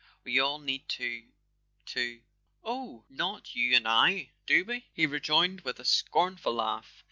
We all need to ... to .." "Oh, not you and I, do we?" he rejoined with a scornful laugh.